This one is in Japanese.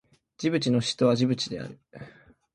ジブチの首都はジブチである